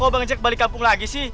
kok bang jack balik kampung lagi sih